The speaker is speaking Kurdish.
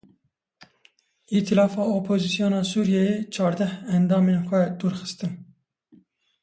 Îtilafa Opozisyona Sûriyeyê çardeh endamên xwe dûr xistin.